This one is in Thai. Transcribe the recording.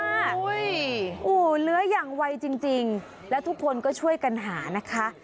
โอ้โหเหลืออย่างไวจริงแล้วทุกคนก็ช่วยกันหานะคะ